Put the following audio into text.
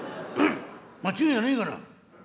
間違いはねえから。